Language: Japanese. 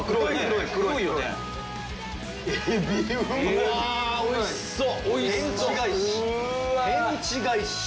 うわおいしそう！